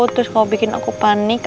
terus kalau bikin aku panik